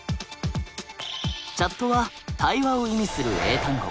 「Ｃｈａｔ」は「対話」を意味する英単語。